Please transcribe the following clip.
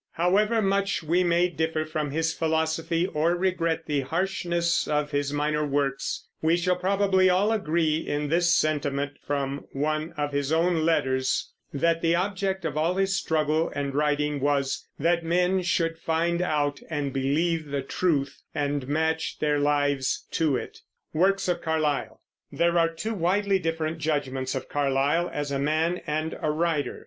However much we may differ from his philosophy or regret the harshness of his minor works, we shall probably all agree in this sentiment from one of his own letters, that the object of all his struggle and writing was "that men should find out and believe the truth, and match their lives to it." WORKS OF CARLYLE. There are two widely different judgments of Carlyle as a man and a writer.